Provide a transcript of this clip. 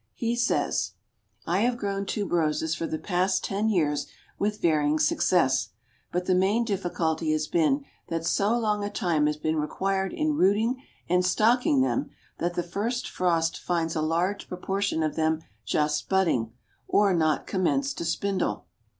He says: "I have grown Tuberoses for the past ten years with varying success, but the main difficulty has been that so long a time has been required in rooting and stocking them that the first frost finds a large proportion of them just budding, or not commenced to spindle.